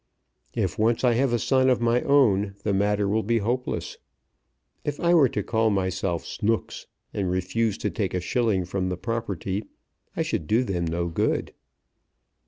If once I have a son of my own the matter will be hopeless. If I were to call myself Snooks, and refused to take a shilling from the property, I should do them no good.